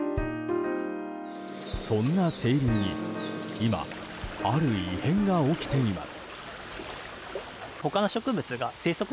そんな清流に今ある異変が起きています。